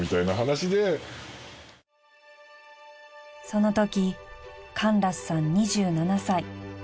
［そのときカンラスさん２７歳］